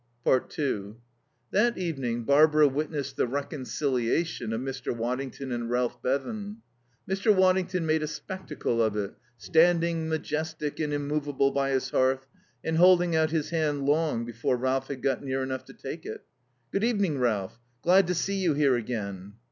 2 That evening Barbara witnessed the reconciliation of Mr. Waddington and Ralph Bevan. Mr. Waddington made a spectacle of it, standing, majestic and immovable, by his hearth and holding out his hand long before Ralph had got near enough to take it. "Good evening, Ralph. Glad to see you here again."